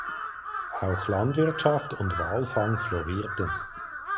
Auch Landwirtschaft und Walfang florierten.